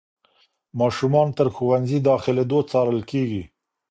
ماشومان تر ښوونځي داخلېدو څارل کېږي.